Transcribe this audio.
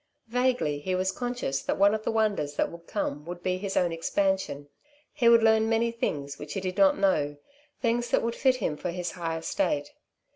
Vaguely he was conscious that one of the wonders that would come would be his own expansion. He would learn many things which he did not know, things that would fit him for his high estate.